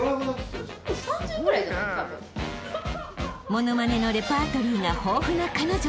［物まねのレパートリーが豊富な彼女］